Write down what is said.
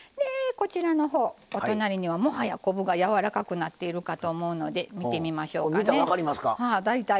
お隣には、もはや昆布がやわらかくなってると思うので見てみましょうかね。